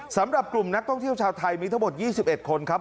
สำหรับกลุ่มนักท่องเที่ยวชาวไทยมีทั้งหมด๒๑คนครับ